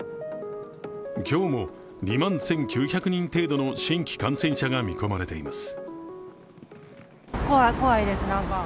今日も２万１９００人程度の新規感染者が見込まれています。